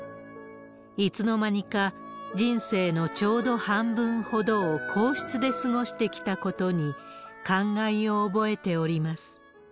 いつの間にか、人生のちょうど半分ほどを皇室で過ごしてきたことに、感慨を覚えております。